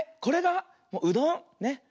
これがうどん。ね。